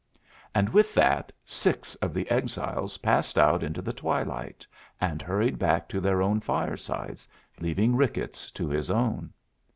And with that, six of the exiles passed out into the twilight, and hurried back to their own firesides, leaving Ricketts to his own.